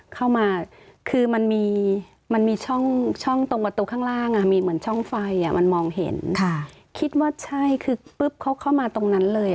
เข้ามาคือมันมีมันมีช่องช่องตรงประตูข้างล่างอ่ะมีเหมือนช่องไฟอ่ะมันมองเห็นค่ะคิดว่าใช่คือปุ๊บเขาเข้ามาตรงนั้นเลย